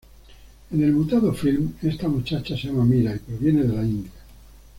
En el mutado filme, esta muchacha se llama Mira y proviene de la India.